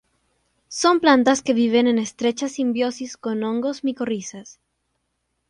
Son plantas que viven en estrecha simbiosis con hongos micorrizas.